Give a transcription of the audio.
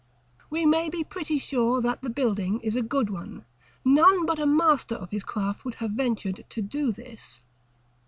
We may be pretty sure that the building is a good one; none but a master of his craft would have ventured to do this.